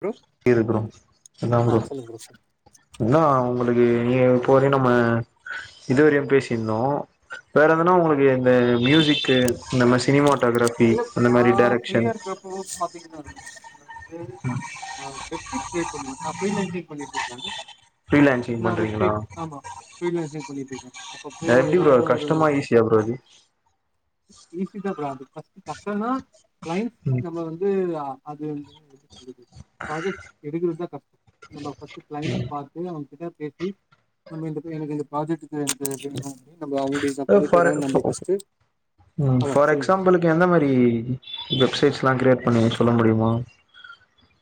Bro இருக்குறோம் அதா ஆ ப்ரோ சொல்லுங்க சொல் என்னா அவுங்களுக் கு இப்போ வரயும் நம்ம இதுவரையும் பேசியிருந்தோ வேற எதனா உங்களுக்கு ஆமா இந்த மியூசிக் க்கு இந்த மாரி சினிமா இல்ல நா ஃப்ரீயா இருக்கப்போ பாத்தீங்கனா [unintelligible] போதுமாக்கா ஃப்ரீ லான்ஸிங் பண்ணிட்ருக்காங்க ஃப்ரீலான்சிங் நா பண்றீங்களா [unintelligible] ஆமா ஃப்ரீலான்ஸிங் பண்ணிட்ருக்கே அப்பப்போ எப்டி ப்ரோ ஏதாவது ஒரு கஷ்டமா ஈஸியா ப்ரோ அது ஈசி தா ப்ரோ அது ஃபஸ் கஷ்டொன்னா க்ளைன்ட்ஸ் ம் நம்ம வந்து அ அது [unintelligible] ப்ராஜெக்ட் எடுக்குறதா [unintelligible] நம்ம ஃப்ஸ்ட் க்ளைண்ட் பாத்து இதா‌ பேசி நம்ம இந்த எனக்கு இந்த ப்ராஜெக்ட்டுக்கு எனக்கு [unintelligible] நா பண்ணி ஃபார் தரே நம்ம ஃபஸ்ட்டு அதா ஃபார் சொல்லுங்க எக்ஸாம்பிலுக்கு எந்த மா ரி வெப்சைட்ஸ்லா கிரேட் பண்ணி சொல்ல முடியுமா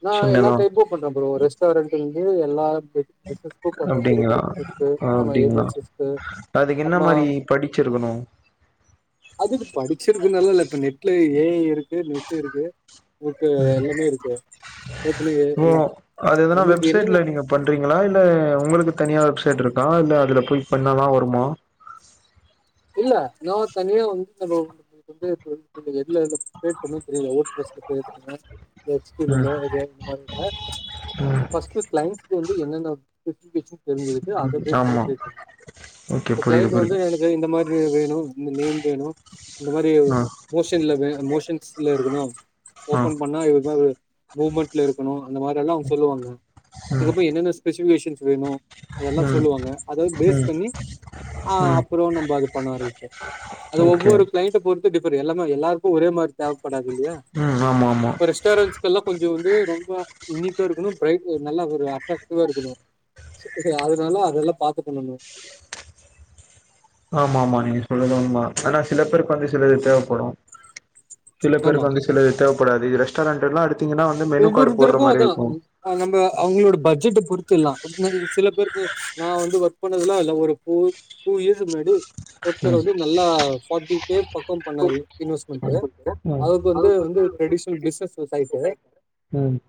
நா எல்லா சின்னதா டைப்பும் பண்ற ப்ரோ ரெஸ்டாரெண்ட்டு எல்லா பிஸ் பிஸ்னஸ்க்கு பண்றோ பெரிய அப்டிங்களா பெரிய பிஸ்னெஸ்கு ஆமா அப்டிங்களா ஏஜென்ஸீஸ்க்கு அதுக்கு என்ன அம்மா மாரி படிச்சிருக்கணு அது படிச்சிரு நல்லா இல்ல இப்ப நெட்ல ஏ ஐ இருக்கு நெட் இருக்கு பூத்து எல்லாமே இருக்கு ஓப்பன் ஏ ஐ ஓ எல்லா அது எதுனா நம்மளுக்கு என்னென்ன வெப்சைட்ல நீங்க பண்றீங்களா இல் உங்களுக்கு தனியா வெப்சைட்ருக்கா இல்ல அதுல போய் பண்ணாதா வருமா இல்ல நா தனியா வந்து [unintelligible] எதுல லொகேட் பண்ணு தெரியல ம் [unintelligible] [unintelligible] மாரி இல்ல ம் ஃபஸ்ட்டு க்ளைன்ஸ் து வந்து என்னென்ன [unintelligible] தெரிஞ்சுகிக்கு அத ம் பேஸ் பன்னி ஆமா பேசனு ஓகே புரியுது க்ளைன்ட் வந்து புரியுது எனக் இந்த மாதிரி வேணும் இந்த நேம் வேணும் இந்த மாதிரி ஆ மோஷன்ல வே மோஷன்ஸ். ல இருக்கணும். ஆ ஓபன் பண்ணா இது தான். மூமெண்ட்ல இருக்கணும். அந்த மாதிரெல்லா அவங்க சொல்லுவாங்க. ம் அதுக்கப்புறோ என்னென்ன ஸ்பெஷ். சுச்சுவேஷன்ஸ் வேணு. அதெல்லாம் ம் சொல்லுவாங்க அதாவது பேஸ் ம் பண்ணி ஆஹ. ம் நம்ம அது பண்ணாதிருப்போ. அது ஓகே ஒவ்வொரு கிளைண்ட பொறுத்து டிப். எல்லாமே எல்லாருக்கும் ஒரே மாதிரி தேவ். படாது இல்லையா ம் ஆமா ஆமா இப்ப ரெஸ்டாரண்ட்ஸ்கெல்லாம் கொஞ். கொஞ்ச வந்து ரொம்ப இன்னிப்பா இருக்கணு பிரைட் நல்லா ஒரு அட்ராக்டிவா இருக்கணு. சோ அதனால அதெல்லாம் பார்த்து பண்ணணும். ஆமா ஆமா நீ சொல்லுருது உண்மதா ஆனா சில பேருக்கு வந்து சில இது தேவைப்படும். சில ஆமா பேருக்கு வந்து சிலது தேவ். கூடாது ரெஸ்டாரெண்ட் எல்லாம் எடுத். ஒவ்வொருத்தருக்கும் அதான் நம்ம அவங்களோட பட்ஜெட்ட பொறுத். துலாம் சில பேருக்கு நான் வந்து ஒர்க் பண்ணதுல்லாம் இல்ல ஒரு டூ இயர்ஸ் முன்னாடி. ம் ஓத்தரது நல்லா. ஃப்ட்டிகே பர்ஃர்ம் பண்ணாரு இன்வெஸ்மெட்டு. ம் அதுக்கு வந்து வந்து ட்ரெடிஷனல் பிசினஸ் சைட்டு. உஹம்.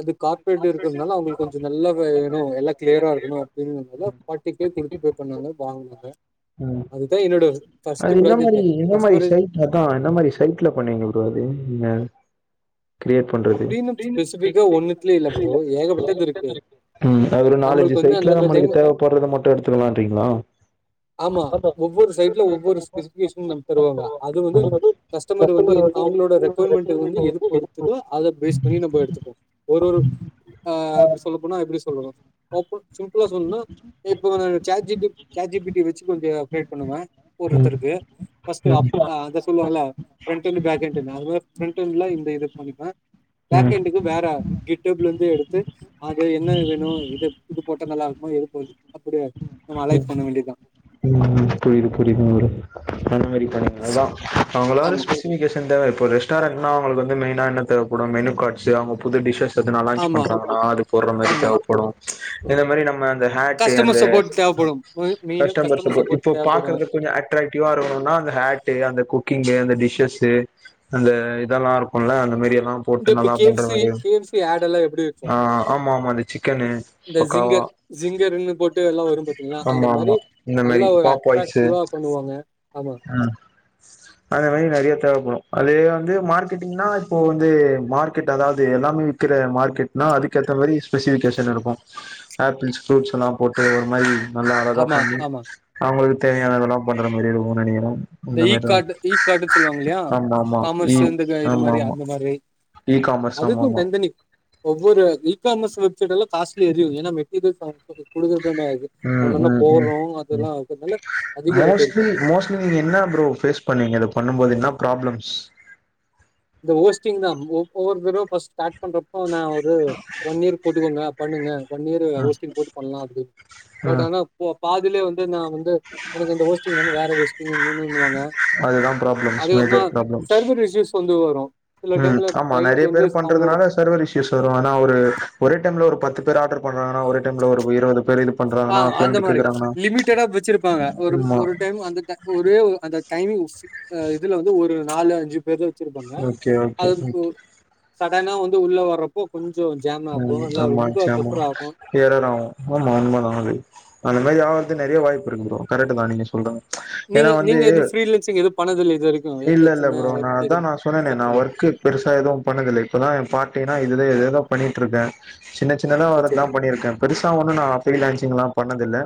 அது கார்பரேட் இருக்கிறதுனால அவங்களுக்கு கொஞ்சம் நல்லா வேணும் எல்லா கிளியரா இருக்கணும் அப்படின்னுனால பார்டிகே கொடுத்து கோட் பண்ணாங்க வாங்கினாங்க. ம் அதுதா என்னோடுது. அது என்ன மாதிரி என்ன மாதிரி சைட் அதான் என்ன மாதிரி சைட்ல பண்ணீங்க அது நீங்க. [inaudible] கிரியேட் பண்றது அப்படின்னு ஸ்பெசிபிக்கா ஒன்னுத்துலயே இல்ல ப்ரோ ஏகப்பட்டது இருக்கு ஹநாலு அஞ்சு நம்மளுக்கு வந்து சைற அந்தந்த டைம் மட்டும் எடுத்துக்கலங்களா அப்டின்றிகளா ஆமா. ஒரு ஸ்பெசிபிகேஷன் நமக்கு தருவாங்க. அது வந்து கஸ்டமர் வந்து அவங்களோட ரெக்கொவயர்மெண்ட் வந்து எது பொறுத்து. அத பேஸ் பண்ணி நம்ம எடுத்துப்போம் ஒரு ஒரு அப்படி சொல்ல போனா எப்படி. சொல்லனு ஒப்பு. சிம்ப்ளா சொல்லுன்னா இப்போ. ChatGPT ChatGPT. வச்சு கொஞ்சம் அப்டேட் பண்ணுங்க. ம் ஒருத்தருக்கு பஸ்ட் அ ம் அத சொல்லுவாங்களா ஃபிரண்ட்யெண்டு பேக்யெண்டு. ஃபிரண்டுல இப்படி இருக் சொல்லிப்ப பேக்ரௌண்ட்டுக்கு வேற டிப்லேந்து எடுத்து அத என்ன வேணும் இது இது போட்ட நல்லா இருக்குமோ எது போட்டா அப்படிய நம்ம அலைட் பண்ண வேண்டியதான் புரிது புரிது ஃப்ரோ அந்த மாரி அதான் அவங்களோ ஆமா, ஸ்பெசிபிகேஷன் தேவ ஒரு ரெஸ்டாரென்ட்னா அவளுக்கு வந்து மெயினா என்ன தேவைப்படும் மெனு கார்ட்ஸ் அவங்க புது டிஷஸ் இதனா லான்ச் ஆமா. பண்றாங்கன்னா அது போடுற மாரி ஆமா தேவைப்படும் இந்த மாரி நம்ம அந்த ஹட் கஸ்டமர் அந்த சப்போர்ட் தேவப்படும் மெ மெயினா கஸ்டமர்ஸ் கஸ்டமர் பத்தி சப்போர்ட் தேவப்படு பார்க்கறது கொஞ்சம் அக்ராக்டிவா இருக்கணும்னா அந்தஹேட் அந்த குக்கிங் அந்த டிஷஸ் அந்த இதெல்லாம் இருக்கும்ல்ல அந்த மாரி எல்லா போட்டு இந்த நல்லா கே எப் பண்ற சி மாரி கே எப் சி ஆடுல எப்படி இருக்கும் ஆ ஆமா ஆமா அந்த சிக்கனு இந்த பக்காவா ஜிங்கர் ஜிங்கர்னு போட்டு எல்லாம் வரும் பாத்திங்களா அந்த ஆமா ஆமா மாரி இந்த நல்லா ஒரு அக்ராக்டிவா பண்ணுவாங்க ஆமா ஆஹ் அந்த மாரி நிறைய தேவைப்படும் அது வந்து மார்க்கெட்டிங்கினா இப்போது வந்து மார்க்கெட் அதாவது எல்லாமே விற்கிற மார்க்கெட்னா அதுக்கேத்த மாரி ஸ்பெசிஃபிகேஷன் இருக்கும் ஆப்பிள்ஸ் ஃப்ரூட்ஸ் எல்லாம் போட்டு ஒரு மாரி நல்லா அழகா ஆமா பண்ணி ஆமா அவங்களுக்கு ஆமா தேவையான இதெல்லாம் பண்ற மதிரோ போன நேரம் இந்த இ கார்ட் இ கார்டுன்னு சொல்லுவாங்க இல்லையா ஆமா ஆமா இ காமர்ஸ் இந்த இது ஆமா மாதிரி ஆமா அந்த மாதிரி இ காமர்ஸ் ஆமா அதுக்கும் ஆமா தனிதனி ஒவ்வொரு வீக்க ஈகாமஸ் வெப்சைட எல்ல காஸிலி ஏது மெட்டீரியல்டுத க்கு ம் ஒன்னன்னா ம் ம் போடுறோம் ம் அதெல்லாம்க்கறிறதுனால அதிக ரேட் இருக்கும் ஃப்ரோ பேஸ் பண்ணீங்க இத பண்ணும்போது என்ன ஃப்ராப்ளம்ஸ் ஹோஸ்டிங் தான் ஒவ்வொருட் ஸ்டார்ட் பண்றப்ப நான் ஒரு ஒன் இயர் போட்டுக்கோங்க பண்ணுங்க ஒன் இயர் ம் ஸ்டிங் போட்டு பண்ணலாம் அப்படி பட் ம் ஆனா பாதிலே வந்து நான் வந்து எனக்கு இந்த ஹோஸ்டிங் வேற ஹோஸ்டிவாங்க அதுதா ப்ராப்ளம்ஸ் அதுக்கப்புறமா செர்வ இஸ் இது வரும் ஹம் ஆமா நிறைய பேரு அவங்களோட பண்றதுனால சர்வர் இஷயூஸ் வரும் ஆனா ஒரு ஒரே டைம்ல ஒரு பத்து ஆர்டர் பண்றாங்கன்னா ஒரு டைம்ல ஒரு இருபது ஆஹ் அந்த மாதிரி லிமிட்டடா வச்சிருப்பாங்க ஒரு ஆமா ஒரு டைம் அந்த ஓரு அந்த டைமிங் மிஸ் இதுல வந்து ஒரு நாலு அஞ்சு பேருதான் ஓகே ஓகே ஓகே. அத வந்து உள்ள வரறப்போ கொஞ். உஹம் ஆமாங் ஜாம் ஆகும். [unintelligible] அந்தமாதிரி ஆவரது நறைய வாய்ப்பு இருக்குது ப்ரோ கரெக்ட் தான் நீங்க சொல்றது. ஏன்னா நீங்க வந்து நீங்க எது ஃப்ரீலான்சிங் எதுவும் பண்ணதில்ல இது வரைக்கும் எந்த இல்ல இல்ல சின்ன ப்ரோ ஒர்க் நான்தான் எதுவும் சொன்னனே ஸ்டார்ட் நான் பண்ணல ஒர்க்கு பெருசா எதுவும் பண்ணுதில்ல இப்பதான் என் பார்டைனா. எது எதுன்னா. பண்ணிகிட்டுருக்க. சின்ன சின்னதா சேரி சேரி வரதுதான் பண்ணிருக்கே பெருசா ஒண்ணும் நான் அப்பலச்சிங்களலாம் பண்ணதில்ல.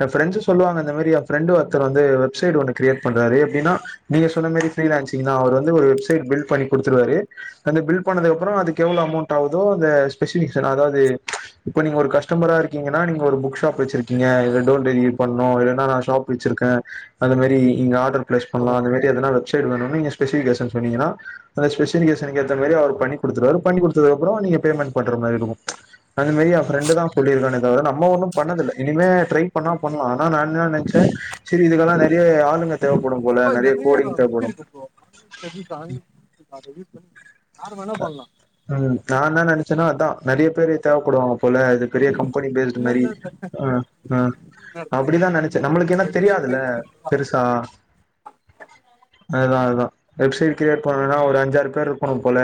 என் ஃபிரெண்ட்சு சொல்லுவாங்க இந்த மாரி என் ஃப்ரெண்டு ஒருத்தவங்க வந்து வெப்சைட் ஒன்னு கிரேட் பண்றாறு எப்படா நீங்க சொன்ன மாரி ஃபிரீ லான்ச்சிங்குதா அவரு வந்து ஒரு வெப் சைட் பில்டு பண்ணி குடுத்துருவாரு. அந்த பில்டு பண்ணதுகப்றோ அதுக்கு எவ்ளோ அமௌண்ட் ஆகுது. தே தோ ஸ்பெசிபிக் அதாவ ம்ச் இப்ப நீங்க ஒரு கஸ்டமரா இருக்கீங்கனா ஒரு புக் ஷாப் வச்சிருக்கீங்க இவனல்ல டோர் டெலிவரி பண்ணு இல்லனா நா இஷாப் வச்சுருக்க அந்த மாரி நீங்க ஆடர். பேஸ் ஆமா பண்ணலாம் அது மாதிரி எதுனா வெப் சைட் வேணு. நீ ஸ்பெசிபிகேஷன் சொன்னங்கன்னா அந்தெசிபிகேஷனுக்கு ஏத்த மாதிரி அவர் பண்ணி கொடுத்துருவாரு பண்ணி கொடுத்ததுக். கப்றோ நீங்க பேம்மன்ட் பண்ற மாதிரி இருக்கு. ம்ச் அந்த மாரி என் ஃபிரெண்டுதா சொல்லிருக்கானே தவர நம்ம ஒண்ணும் பண்ணதில்ல இனிமே ட்ரை பண்ணா பண்ணலா. நான் என்ன நினைச்சேன் சேரி இதுக்கெல்லா. நறைய ஆளுங்க. தேவப்படும் போல இப்ப நெறைய நறைய கோடிங் இது தேவப்படும் இருக்கு ப்ரோ. [unintelligible] யாரு வேணா பண்ணலாம் உஹம் நான்தா நெனச். சன்னா அதான் நறைய பேரு தேவைப்படுவாங்க. போல இது பெரிய கம்பெனி பேல்ட் இல்ல மாரி இல்ல தனி அஹ அஹ நடத்துறீங்க அப்படிதான் நனைச்சேன் நமளுக்கு என்ன வெப்சைட் தெரியாதுல்ல கிரியேட் பண்றதுலாம். பெருசா அதா. வெப்சைட் கிரியேட் பண்ணும்னா ஒரு அஞ்சாறு பேர் இருக்கணும் போல.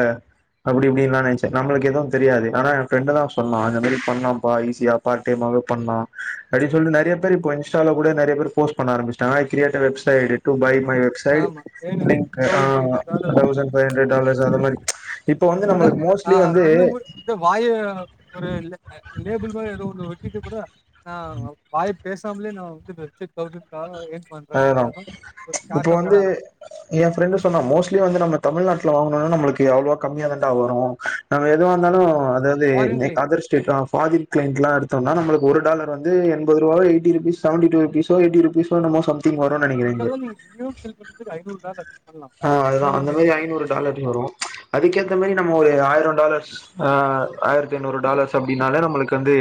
அப்படி இப்படினுல்லா நனச்ச நம்மளுக்கு எதுவும் தெரியாது ஆனா என் ப்ரெண்டு தான் சொன்னா அந்த மாதிரி பண்ணலாம்பா ஈஸியா பார்ட் டைமாவே பன்லா அப்படின் சொல்லிடு நெறய பேரு இப்ப இன்ஸ்டால கூட நறைய பேர் போஸ்ட் பண்ண ஆரம்பிச்டாங்க creator website by my website ஆமா லிங்க் தௌசண்ட் ஃபைவ் ஆஹ hundred dollar thousand five hundred dollars அந்த மாதிரி ம்ச். அதான் ஆஹ கண்ணு வாய ஒரு லேபிள் மாதிரி ஏதோ ஒன்று வொட்டிட்டு கூட. ஆஹ வாய் பேசாமலே நான் வந்து வெப்சைட். [unintelligible] ஆஹ ம்ச் ஒரு இப்ப ஷார்ட்டா போட வந்து ஆரம்பிச்சேன் என் ஃப்ரெண்டு சொன்னா மோஸ்ட்லி வந்து நம்ம. தமிழ்நாட்டுல வாங்கனும்னா நமளுக்கு எவ்வளவா கம்மியா தண்டா வரும். எதுவாந்தாலும் ஆமா அதாவது ஃபாரின் கிளைண்ட் அதர் ஸ்டேட்தா பாரின் கிளைண்ட்லா இரு. நம்ம ஒருடாலர் வந்து என்பது ரூபா எயிட்டி ருபீஸ் செவண்டிடூ ருபீஸ்சோ எயிட்டிருபிஸ்சோ நம்ம சம். அங்கதான் நீங்க தியோ செல் பண்றதுக்கு ஐநூறு டாலர். பண்ணலா ஆஹ அதுதான் அந்த மினிமமே மாதிரி ஐநூறு டாலர்னு வரும் ம்ச். அதுக்கேத்த மாதிரி நம்ம ஒரு ஆயிரோ. டாலர்ஸ் ஆயிரத்தி ஐநூறு டாலர்ஸ் அப்படின்னாலே நம்மளுக்கு. வந்து.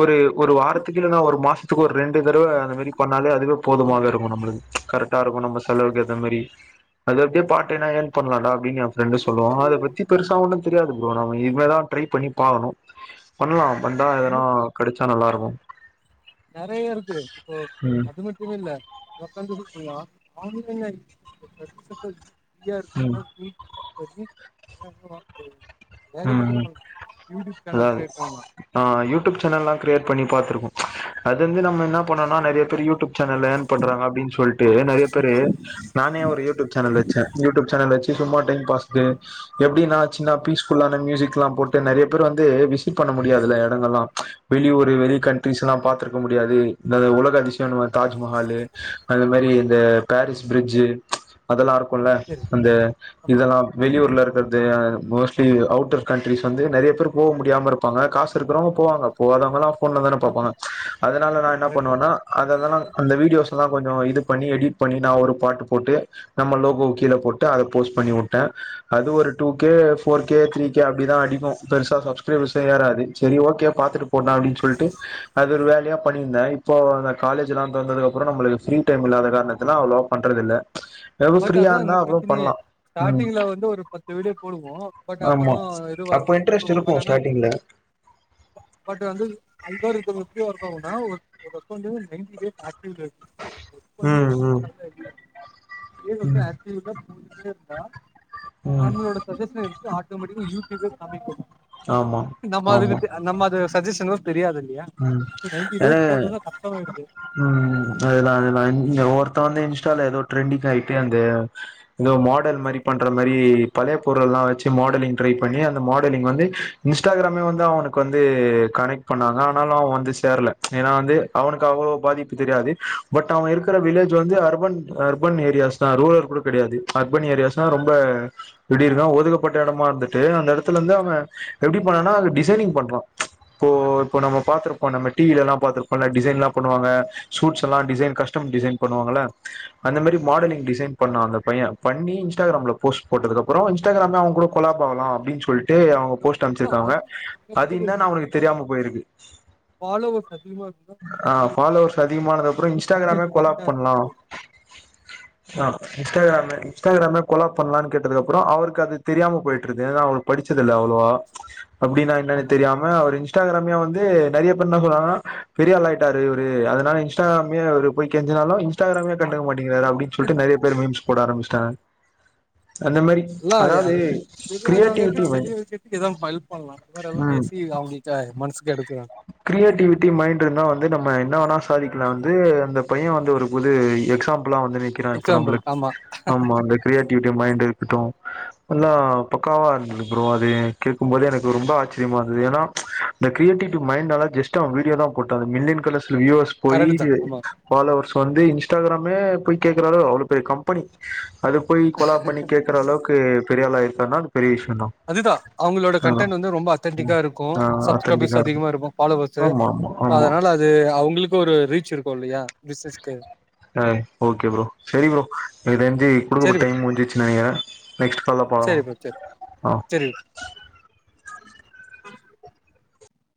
ஒரு ஒரு வாரத்துக்கு இல்லைன்னா ஒரு மாசத். துகு ரெண்டு தடவ அந்த மாரி பண்ணாலே அதுவே ஆமா போதுமாக இருக்கு நம்மளுக்கு கரெக்டா இருக்கு நம்ம செலவுக்கு ஏத்த மாரி அது அப்டியே பாட்டேன்னா இயர்ன் பண்லான்டா அப்டின்னு என் ஃப்ரெண்டு சொல்லுவா அத பத்தி பெருசா ஒன்னு தெரியாது ப்ரோ நம்ம இனிமே தா ட்ரை பண்ணி பாக்கணு பண்லா பண்டா எதுனா பண்ணுங்க கடச்சா நல்லாருக் உம் நெறைய இருக்கு இப்போ அது மட்டுமில்ல [unintelligible] இ ஆர் ம் கூட [unintelligible] [unintelligible] உம் அதாது கிரியேட் பண்லா அ யூடியூப் சேனல்லா க்ரியேட் பண்ணி பாத்துருக்கோ அது வந்து நம்ம என்ன பண்ணோனா நறிய பேர் யூடியூப் சேனல்ல இயர்ன் பண்றாங்க அப்டின் சொல்ட்டு நெறைய பேரு நானே ஒரு யூடியூப் சேனல் வச்சே யூடியூப் சேனல் வச்சு சும்மா டைம் பாஸ்கு எப்டின்னா சின்னா பீஸ் அந்த மியூசிக்லாம் போட்டு நெறைய பேர் வந்து விசிட் பண்ண முடியாதுல எடங்கள்லாம் வெளியூரு வெளி ஆமா கண்ட்ரிஸ்ல்லா பாத்திருக் கமுடியாது இந்த உலக அதிசயனுவ தாஜ்மஹாலு அது மாரி இந்த பாரீஸ் ப்ரிட்ஜு அதெல்லாருக் குல்ல சரி அந்த ஆமா இதெல்லா வெளியூர்ல பண்றது ஆயிரம் போஸ்ட் டு அவுட்டர் கண்ட்ரிஸ் வந்து நறிய பேர் போக முடியாம இருப்பாங்க காசு இருக்கிறவங்க போவாங்க போகாதவங்கலா ஃபோன்ல தான ஆமா பாப்பாங்க அதனால நா என்ன கரெக்ட் தா பண்ணுவன்னா அதெல்லா அந்த வீடியோஸ் எல்லா கொஞ்சொ இது பண்ணி எடிட் பண்ணி நா ஒரு பாட்டு போட்டு நம்ம லோகோ கீழ போட்டு அத போஸ்ட் பண்ணிவுட்டே அது ஒரு two K four K three K அப்டிதா அடிக்கு பெருசா சப்ஸ்கிரைபர்ஸே ஏறாது செரி ஓகே பாத்துட்டு போடலா அப்டின் சொல்ட்டு அது ஒரு வேலையா பண்ணிருந்தே இப்போ அந்த காலேஜுலா தொறந்ததுக்கப்பறொ நம்மளுக்கு ஃப்ரீடைம் இல்லாத காரணத்துல்லா அவ்ளவா பண்றதில்ல பட் அதா இங்க ப்ரச்சனையே ம் ஸ்டார்டிங்ல வந்து ஒரு பத்து வீடியோ போடுவோ வோ பட் அப்புறோ ஆமா எது அப்ப வர்லன் இன்ட்ரெஸ்ட் விட்ருவோ இருக்கு பட் ஆனா ஸ்டார்டிங்ல பட் வந்து அல்காரிதம் [unintelligible] நைன்ட்டி டேஸ் ஆக் [unintelligible] ஒர்க் பண்ணி ம் ம் [unintelligible] தே வந்து ம் அக்யூரேட்டா போட்டுட்டே இருந்தா ம் நம்மளோட சஜ்ஜஷனுக்கு ஆட்டோமேட்டிக்கா யூ ட்யூபே காமிக்குமா ஆமா நம்ம அதுக்கு நம்மது சஜ்ஜஷனு உம் எனா போட்டோனா கஷ்டமாயிடுது உம் அதுதா அதுதா இங்க ஒர்க் இப்ப வந்து இன்ஸ்டால எதோ ட்ரெண்டிங் ஆயிட்டு அந்த எதோ மாடல் மாரி பண்ற மாரி பழைய பொருல்லா வச்சு மாடலிங் ட்ரை பண்ணி அந்த மாடலிங் வந்து இன்ஸ்டாகிராமே வந்து அவனுக்கு வந்து கனெக்ட் பண்ணாங்க ஆனாலு அவ வந்து சேர்ல ஏனா வந்து அவனுக்கு அவளோ பாதிப்பு தெரியாது பட் அவ இருக்கிற வில்லேஜ் வந்து அர்பன் அர்பன் ஏரியாஸ் தா ரூரல் கூட கிடையாது அர்பன் ஏரியாஸ்னா ரொம்ப எப்படி இருக்குனா ஒதுக்கப்பட்ட எடமா இருந்துட்டு அந்த எடத்துலெந்து அவ எப்டி பண்ணானா அது டிசைனிங் பண்றா இப்போ இப்போ நம்ம பாத்துருப்போ நம்ம டிவில எல்லா பார்த்திருப்போம்ல்ல டிசைன்ல்லா பண்ணுவாங்க சூட்ஸ் எல்லாம் டிைன் கஸ்டம் டிசைன் பண்ணுவாங்களல அந்த மாரி ஆமா மாடலிங் டிைன் பண்ணா அந்த பையன் பண்ணி இன்ஸ்டாகிராமல போஸ்ட் போட்டதுக்குப்புறம் இன்ஸ்டாகிராம் தான் அவன் கூட கொலாப்பகலாம் அப்டின்னு சொல்லிட்டு அவங்க போஸ்ட் அமைச்சிருக்காங்க அது அது என்ன அவனுக்கு தெரியாம போயிருக்கு ஃபாலவர்ஸ் அதிகமா இருந்தா ஆ ஃபாலோவர்ஸ் அதிகமானதுக்கப்புறோ [unintelligible] இன்ஸ்டாகிராமே கன்டென்ட் கரெக்டா இருந்தா போதும் ஆஹ் இன்ஸ்டாகிராமே இன்ஸ்டாகிராமே கொலாப் பண்ணலான்னு கேட்டது அப்புறம் அவருக்கு அது தெரியாம போயிட்டு இருது ஏன்னா அவரு படிச்சது இல்லை அவ்ளோவ அப்டின்னு என்னன்னு ஆமா தெரியாம அவர் இன்ஸ்டாகிராமே வந்து நெறைய பேரு என்ன சொன்னாங்க பெரிய ஆள் ஆயிட்டா இவரு அதனால இன்ஸ்டாகிராமே போய் கெஞ்சுனாலும் இன்ஸ்டாகிராமே கண்டுக்க மாட்டேங்குறாரு அப்டின்னு சொல்லட்டு நெறைய மீம்ஸ் போட ஆரம்பிச்சிட்டாங்க அந்த மாரி இல்ல அதாவது தெரியாதவங்க கிரியேட்டிவிட்டி மைண்ட் தெரியவைக்கிறதுக்கு எத ஹெல்ப் பண்ணலாம் இந்த மாரி எல்லா ம் பேசி அவங்களுக்கு மனசுக்கு எடு கிரியேட்டிவிட்டி மைண்ட் இருந்தா வந்து நம்ம என்ன வேணா சாதிக்கலாம் வந்து பையன் வந்து ஒரு புது எக்ஸாம் பிளால வந்து நிக்கிறன் இப்ப எக்ஸாம்பிள் நம்மளுக்கு ஆமா ஆமா அந்த கிரியேட்டிவிட்டி மைண்ட் இருக்கட்டும் நல்லா பக்காவா இருந்தது அப்புறம் அது கேட்கும் போது எனக்கு ரொம்ப ஆச்சரியமா இருந்தது ஏன்னா இந்த கிரியேட்டிட்டி மைண்டால ஜஸ்ட் அவன் வீடியோ தான் போட்டான் மில்லன் கலர்ஸ் வியூவர்ஸ் போய் கரெக்ட் தா ஆமா பாலோவர்ஸ் வந்து இன்ஸ்டாகிராமே போய் கேக்குறாரு அவ்வளோ பெரிய கம்பெனி அது போய் கொலா பண்ணி கேட்கற அளவுக்கு பெரிய ஆள் இத்தனை நாள் பெரிய விஷயம் அதுதான் அவங்களோட கண்டடென்ட் வந்து ரொம்ப அத்தென்டிகா இருக்கும் ஆ சப் பெமஸ் அத்தன்டிக்கா இருக்கு அதிகமா இருக்கும் ஃபாலோஸ் ஆமா ஆமா ஆமா அதனால அது அவங்களுக்கு ஒரு ரீச் இருக்கும் இல்லையா பிசினஸ்க்கு ஆ ஓகே ப்ரோ சரி ப்ரோ என்ன தெரிஞ்சு சரி குடுக்கப்பட்ட ப்ரோ டைம் முடிஞ்சிடுச்சு நினைக்கிறேன் நெக்ஸ்ட் ஃபாலோ சரி பண்ணலாம் ப்ரோ சரி ஆஹ சரி